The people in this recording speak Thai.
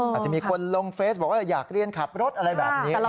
อาจจะมีคนลงเฟซบอกว่าอยากเรียนขับรถอะไรแบบนี้